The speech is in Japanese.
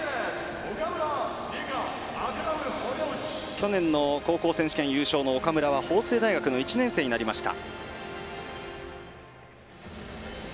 去年の高校選手権優勝の岡村は、法政大学の１年生になりました。